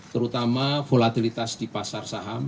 terutama volatilitas di pasar saham